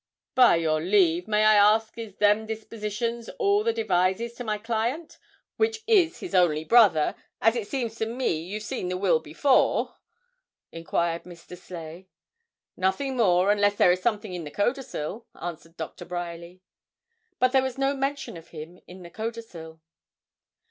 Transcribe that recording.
'By your leave, may I ask is them dispositions all the devises to my client, which is his only brother, as it seems to me you've seen the will before?' enquired Mr. Sleigh. 'Nothing more, unless there is something in the codicil,' answered Dr. Bryerly. But there was no mention of him in the codicil.